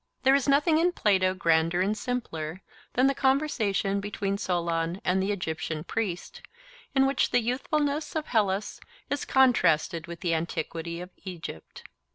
There is nothing in Plato grander and simpler than the conversation between Solon and the Egyptian priest, in which the youthfulness of Hellas is contrasted with the antiquity of Egypt.